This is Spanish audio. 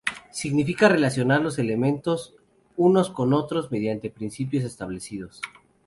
Significa relacionar los elementos unos con otros mediante principios establecidos.